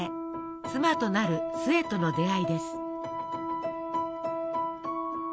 妻となる壽衛との出会いです。